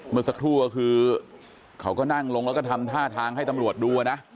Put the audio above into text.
เมื่อสักครู่ก็คือเขาก็นั่งลงแล้วก็ทำท่าทางให้ตำรวจดูนะ